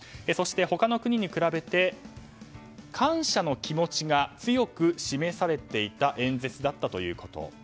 そして、他の国に比べて感謝の気持ちが強く示されていた演説だったということ。